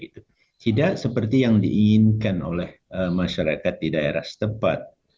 tidak seperti yang diinginkan oleh masyarakat di daerah setempat